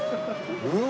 うわ！